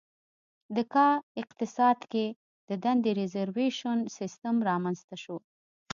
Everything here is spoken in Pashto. د کا اقتصاد کې د دندې د ریزروېشن سیستم رامنځته شو.